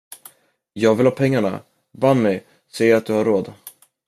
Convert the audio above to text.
Jag vill ha pengarna, Bunny säger att du har råd!